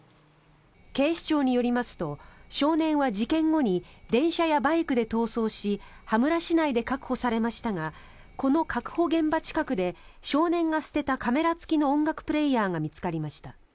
警視庁によりますと少年は事件後に電車やバイクで逃走し羽村市内で確保されましたがこの確保現場近くで少年が捨てたカメラ付きの音楽プレーヤーが見つかりました。